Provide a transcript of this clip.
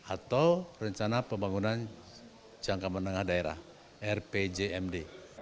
untuk perencanaan pembangunan jangka menengah daerah rpjmd